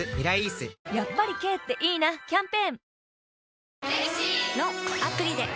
やっぱり軽っていいなキャンペーン